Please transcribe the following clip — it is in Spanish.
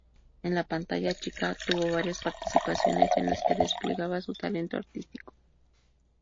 En la pantalla chica tuvo varias participaciones en las que desplegaba su talento artístico.